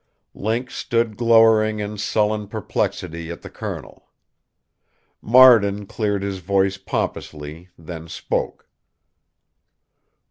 Link stood glowering in sullen perplexity at the Colonel. Marden cleared his voice pompously, then spoke.